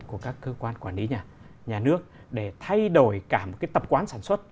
của các cơ quan quản lý nhà nước để thay đổi cả một cái tập quán sản xuất